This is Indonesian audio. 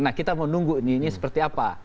nah kita mau nunggu ini seperti apa